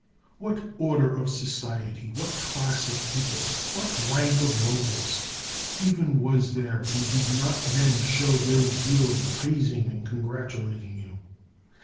What order of society, what class of people, what rank of nobles even was there who did not then show their zeal in praising and congratulating you?